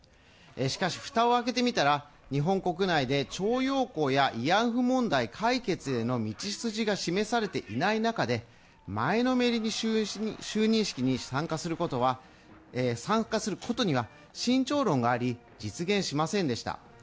しかしふたをあけてみたら日本国内で徴用工や慰安婦問題解決への道筋が示されていない中で、前のめりに就任式に参加することには慎重論があり、実現しませんでした。